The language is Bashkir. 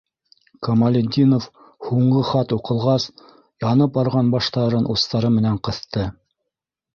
Камалетдинов һуңғы хат уҡылғас янып барған башын устары менән ҡыҫты.